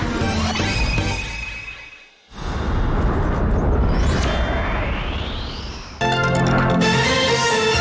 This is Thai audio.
โปรดติดตามตอนต่อไป